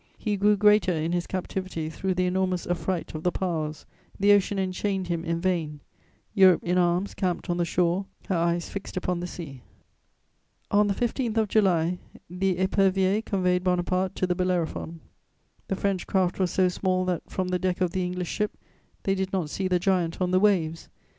He grew greater in his captivity through the enormous affright of the Powers; the Ocean enchained him in vain: Europe in arms camped on the shore, her eyes fixed upon the sea. * On the 15th of July, the Épervier conveyed Bonaparte to the Bellerophon. The French craft was so small that, from the deck of the English ship, they did not see the giant on the waves.